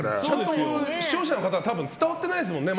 視聴者の方には多分まだ伝わってないですもんね。